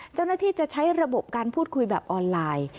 เจ้าหน้าที่จะใช้ระบบการพูดคุยแบบออนไลน์